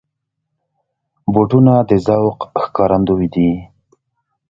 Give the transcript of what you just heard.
بوټونه د ذوق ښکارندوی دي.